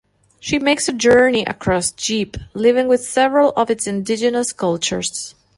She makes a journey across Jeep, living with several of its indigenous cultures.